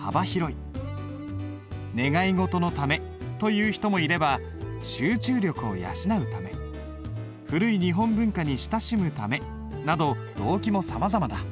願い事のためという人もいれば集中力を養うため古い日本文化に親しむためなど動機もさまざまだ。